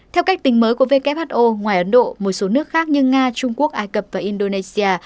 theo cách tính mới của who ngoài ấn độ một số nước khác như nga trung quốc ai cập và indonesia